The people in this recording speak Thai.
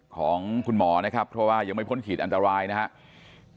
ของคุณหมอนะครับเพราะว่ายังไม่พ้นขีดอันตรายนะครับ